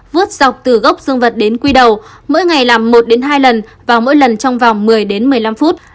vuốt dọc từ gốc dương vật đến quy đầu mỗi ngày làm một hai lần và mỗi lần trong vòng một mươi một mươi năm phút